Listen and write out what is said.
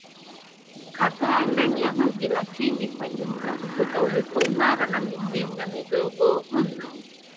kadhaa ndani ya mji Lakini kwa jumla ukuta ulikuwa imara na mizinga midogo mno